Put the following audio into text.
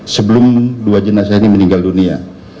sebelum dua jenazah ini meninggal dunia